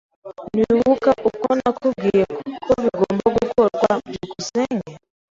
Ntiwibuka uko nakubwiye ko bigomba gukorwa? byukusenge